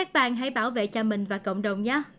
bạn hãy bảo vệ cho mình và cộng đồng nhé